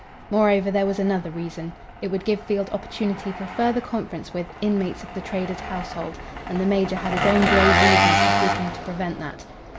Moreover, there was another reason. It would give Field opportunity for further conference with inmates of the trader's household, and the major had his own grave reasons for seeking to prevent that.